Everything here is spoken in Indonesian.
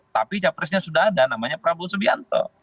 tapi capresnya sudah ada namanya prabowo subianto